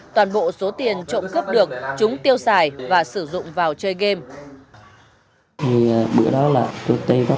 toàn bộ số tiền trộm cắp được chúng tiêu xài và sử dụng vào chơi game